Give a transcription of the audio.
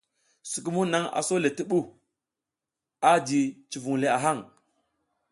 Sukumung nang aso le ti bu, a ji civing le a hang.